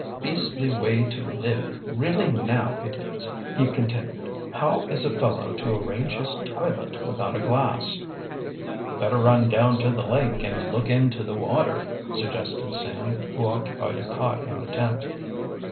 "Beastly way to live, really now it is," he continued. "How is a fellow to arrange his toilet without a glass"? "Better run down to the lake and look into the water," suggested Sam, who occupied a cot in the tent.